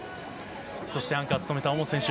そして、アンカーを務めた大本選手。